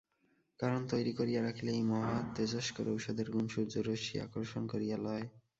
কারণ, তৈরি করিয়া রাখিলে এই মহাতেজস্কর ঔষধের গুণ সূর্যরশ্মি আকর্ষণ করিয়া লয়।